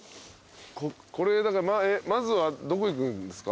これまずはどこ行くんですか？